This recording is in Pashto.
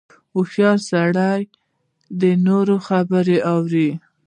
• هوښیار سړی د نورو خبرې اوري.